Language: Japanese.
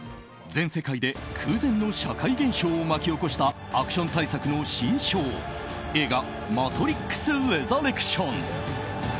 全世界で空前の社会現象を巻き起こしたアクション大作の新章映画「マトリックスレザレクションズ」。